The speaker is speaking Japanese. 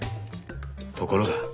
ところが。